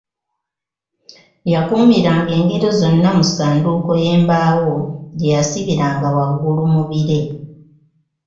Yakuumiranga engero zonna mu ssanduuko y'embaawo gye yasibiranga waggulu mu bire.